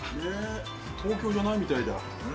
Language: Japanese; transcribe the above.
東京じゃないみたいだ。